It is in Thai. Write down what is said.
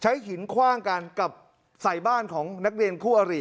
หินคว่างกันกับใส่บ้านของนักเรียนคู่อริ